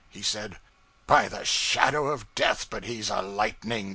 He said 'By the Shadow of Death, but he's a lightning pilot!'